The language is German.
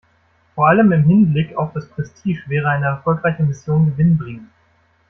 Vor allem im Hinblick auf das Prestige wäre eine erfolgreiche Mission gewinnbringend.